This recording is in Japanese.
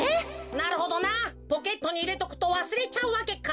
なるほどなポケットにいれとくとわすれちゃうわけか。